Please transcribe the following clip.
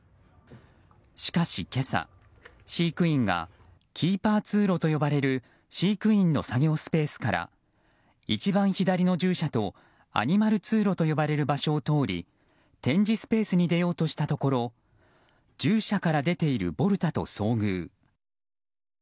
しかし今朝、飼育員がキーパー通路と呼ばれる飼育員の作業スペースから一番左の獣舎とアニマル通路と呼ばれる場所を通り展示スペースに出ようとしたところ獣舎から出ているボルタと遭遇。